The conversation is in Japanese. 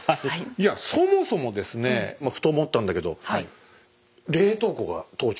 いやそもそもですねふと思ったんだけど冷凍庫が当時ないわね。